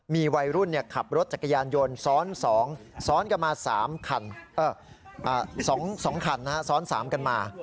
มีวัยรุ่นขับรถจักรยานโยนซ้อนกันมา๒ขันซ้อน๓กันมา